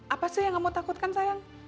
apa sih yang kamu takutkan sayang